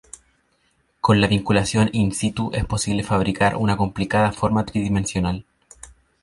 Con la vinculación in-situ es posible fabricar una complicada forma tridimensional.